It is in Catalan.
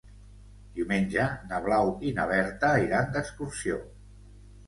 Diumenge na Blau i na Berta iran d'excursió.